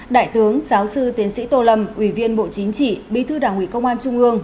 đại tướng giáo sư tiến sĩ tô lâm ủy viên bộ chính trị bí thư đảng ủy công an trung ương